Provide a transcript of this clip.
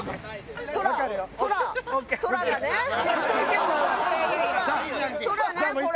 空空ねこれ。